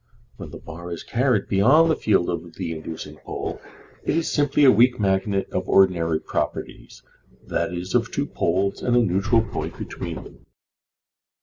When the bar is carried beyond the field of the inducing pole it is simply a weak magnet of ordinary properties i. e., of two poles and a neutral point between them.